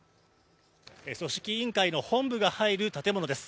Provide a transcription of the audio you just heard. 組織委員会の本部が入る建物です。